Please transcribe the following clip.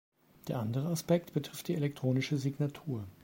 Der andere Aspekt betrifft die elektronische Signatur.